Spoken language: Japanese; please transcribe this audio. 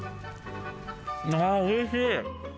おいしい！